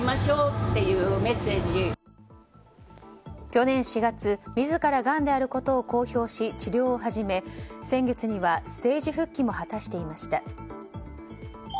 去年４月自らがんであることを公表し治療を始め、先月にはステージ復帰も果たしていました。